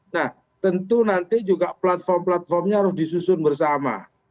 nah tentu nanti juga platform platformnya harus disusun bersama